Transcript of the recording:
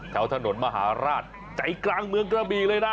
แถวถนนมหาราชใจกลางเมืองกระบีเลยนะ